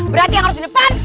kamu harus di depan